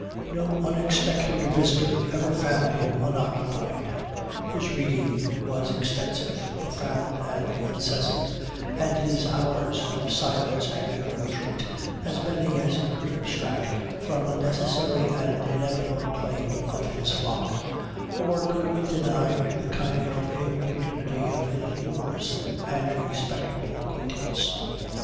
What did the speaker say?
No unexpected visitor ever found him unoccupied: his reading was extensive, profound, and incessant; and his hours of silence and retreat as many as he could abstract from the necessary and inevitable claim of his flock, or could deny to the kind importunity of his numerous and respectable acquaintance.